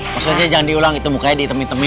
maksudnya jangan diulang itu mukanya ditemit temit